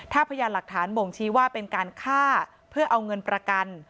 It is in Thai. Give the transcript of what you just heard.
ถ้าพยานหลักฐานบ่งชี้ว่าเป็นการฆ่าเพื่อเอาเงินประกัน